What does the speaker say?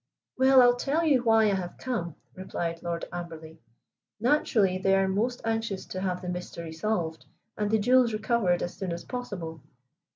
"Well, I'll tell you why I have come," replied Lord Amberley. "Naturally, they are most anxious to have the mystery solved and the jewels recovered as soon as possible.